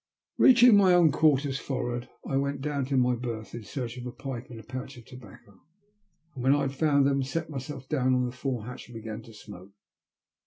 Beaching my own quarters forrard I went down to my berth, in search of a pipe and a pouch of tobacco, and when I had found them, sat myself down on the fore hatch and began to smoke.